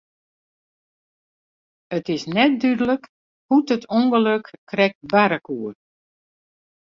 It is net dúdlik hoe't it ûngelok krekt barre koe.